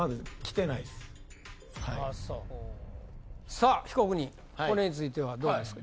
さぁ被告人これについてはどうですか？